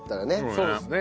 そうですね。